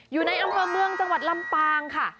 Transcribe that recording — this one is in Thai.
อยู่ในอำเภอเมืองจังหวัดลำปางค่ะ